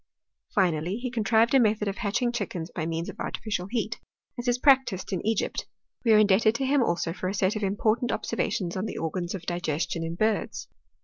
■ Finally, he contrived a method of hatching chickens by means of artificial heat, as is practised in Egypt. We are indebted to him also for a set of important observations on the organs of digestion iu birds.